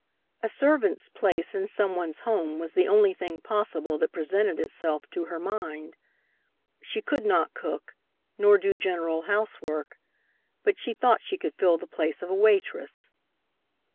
A servant's place in some one's home was the only thing possible that presented itself to her mind. She could not cook, nor do general housework, but she thought she could fill the place of waitress.